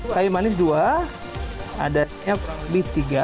kayu manis dua adasnya lebih tiga